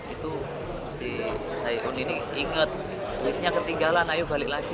itu si saihun ini inget duitnya ketinggalan ayo balik lagi